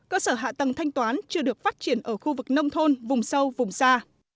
cơ sở hạ tầng thanh toán chưa được phát triển ở khu vực nông thôn vùng sâu vùng xa